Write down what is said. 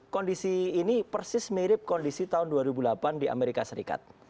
kondisi ini persis mirip kondisi tahun dua ribu delapan di amerika serikat